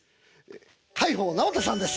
海宝直人さんです。